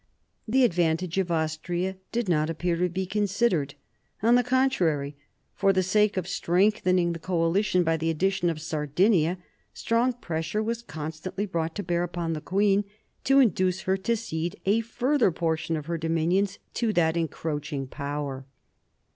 The advantage of Austria did not appear to be considered; on the contrary, for the sake of strengthening the coalition by the addition of Sardinia, strong pressure was constantly brought to bear upon the queen, to induce her to cede a further portion of her dominions to that encroaching Power.